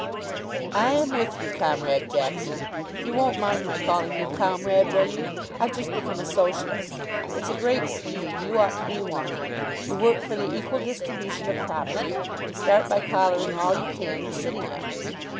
"I am with you, Comrade Jackson. You won't mind my calling you Comrade, will you? I've just become a Socialist. It's a great scheme. You ought to be one. You work for the equal distribution of property, and start by collaring all you can and sitting on it.